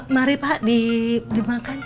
mari pak dimakan